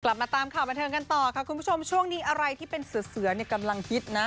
กลับมาตามมอเทิมค่ะคุณผู้ชมช่วงนี้อะไรที่เป็นเสือดเสื้อกำลังฮิตนะ